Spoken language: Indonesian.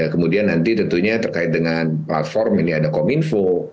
kemudian nanti tentunya terkait dengan platform ini ada kominfo